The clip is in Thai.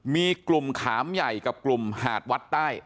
มีกลุ่มขามใหญ่กับกลุ่มหาดวัดใต้